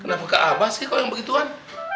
kenapa ke abas sih kalau yang begituan